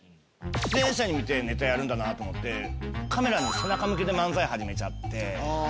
出演者を見てネタやるんだなと思ってカメラに背中向けて漫才始めちゃって。